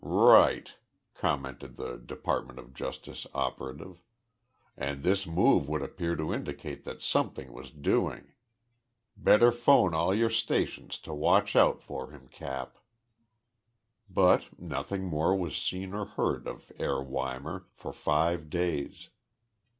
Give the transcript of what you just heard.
"Right," commented the Department of Justice operative, "and this move would appear to indicate that something was doing. Better phone all your stations to watch out for him, Cap." But nothing more was seen or heard of Herr Weimar for five days.